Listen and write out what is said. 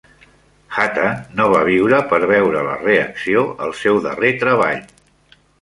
Hatta no va viure per veure la reacció al seu darrer treball.